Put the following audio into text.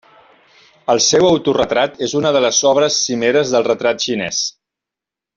El seu autoretrat és una de les obres cimeres del retrat xinès.